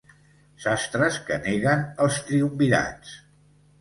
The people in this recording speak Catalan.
Sastres que neguen els triumvirats.